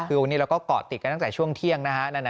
คือวันนี้เราก็เกาะติดกันตั้งแต่ช่วงเที่ยงนะฮะ